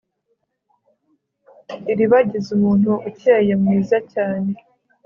iribagiza umuntu ukeye mwiza cyane